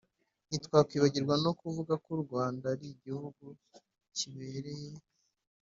ntitwakwibagirwa no kuvuga ko u rwanda ari igihugu kibereye